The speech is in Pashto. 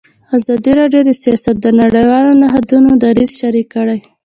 ازادي راډیو د سیاست د نړیوالو نهادونو دریځ شریک کړی.